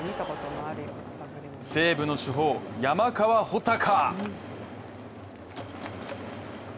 西武の主砲・山川穂高